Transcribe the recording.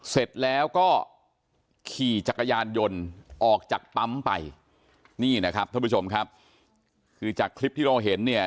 เสร็จแล้วก็ขี่จักรยานยนต์ออกจากปั๊มไปนี่นะครับท่านผู้ชมครับคือจากคลิปที่เราเห็นเนี่ย